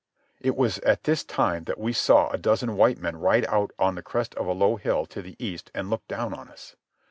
It was at this time that we saw a dozen white men ride out on the crest of a low hill to the east and look down on us.